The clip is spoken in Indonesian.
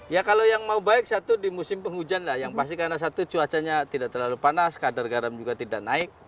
ya kalau yang mau baik satu di musim penghujan lah yang pasti karena satu cuacanya tidak terlalu panas kadar garam juga tidak naik